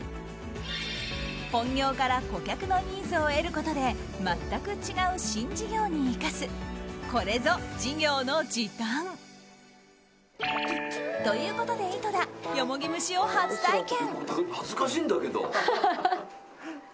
本業から顧客のニーズを得ることで全く違う新事業に生かすこれぞ事業の時短。ということで井戸田よもぎ蒸しを初体験！